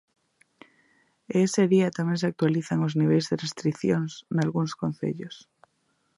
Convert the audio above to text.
E ese día tamén se actualizan os niveis de restricións nalgúns concellos.